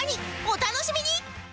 お楽しみに！